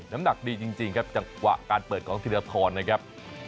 น้ำหนักดีจริงครับจังหวะการเปิดของธีรทรนะครับ